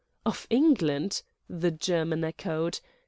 "Of England?" the German echoed.